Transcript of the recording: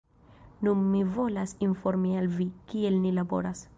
Nun mi volas informi al vi, kiel ni laboras